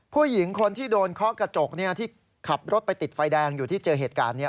ผู้หญิงคนที่โดนเคาะกระจกที่ขับรถไปติดไฟแดงอยู่ที่เจอเหตุการณ์นี้